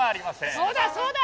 そうだそうだー！